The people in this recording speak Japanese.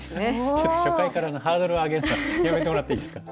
ちょっと初回からハードル上げるのはやめてもらっていいですか？